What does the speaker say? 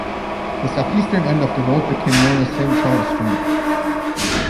The southeastern end of the road became known as Saint Charles Street.